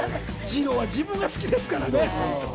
ジローは自分が好きですからね。